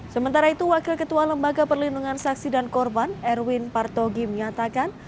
sementara itu wakil ketua lembaga perlindungan saksi dan korban erwin partogi menyatakan